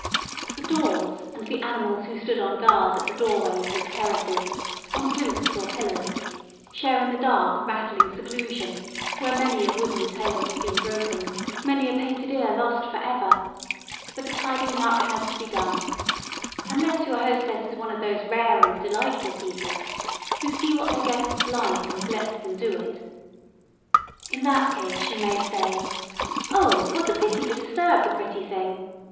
The doors and the animals who stood on guard at the door ways and terraces, on plinths or pillars, share in the dark rattling seclusion where many a wooden tail has been broken, many a painted ear lost for ever, but the tidying up has to be done: unless your hostess is one of those rare and delightful people who see what their guests like and lets them do it. In that case she may say "Oh! what a pity to disturb the pretty thing!